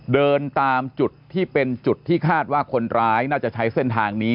เดินตามจุดที่เป็นจุดที่คาดว่าคนร้ายน่าจะใช้เส้นทางนี้